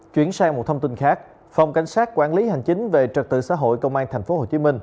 chuyển sang một thông tin khác phòng cảnh sát quản lý hành chính về trật tự xã hội công an tp hcm